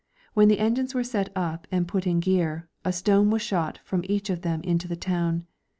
When the engines were set up and put in gear, a stone was shot from each of them into the town.